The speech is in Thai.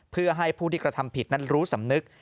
เพื่อให้ผู้ที่กระทำผิดนั้นรู้สำนึก